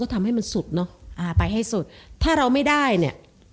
ทำให้มันสุดเนอะอ่าไปให้สุดถ้าเราไม่ได้เนี่ย